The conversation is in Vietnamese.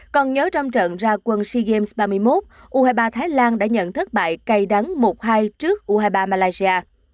còn nhớ trong trận ra quân sea games ba mươi một u hai mươi ba thái lan đã nhận thất bại cây đắng một hai trước u hai mươi ba malaysia